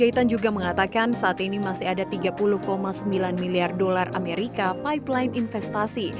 kaitan juga mengatakan saat ini masih ada tiga puluh sembilan miliar dolar amerika pipeline investasi